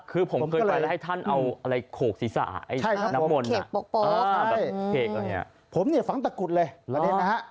คือผมเคยไปแล้วให้ท่านเอาอะไรโขกสีสะน้ำมนต์น่ะแบบเคกอะไรอย่างนี้อ๋อผมเนี่ยฝังตะกุดเลยระเด็นนะฮะ